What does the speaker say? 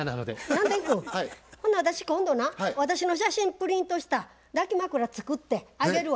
南天君ほんなら私今度な私の写真プリントした抱き枕作ってあげるわ。